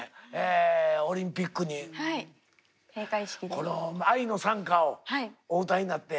この「愛の讃歌」をお歌いになって。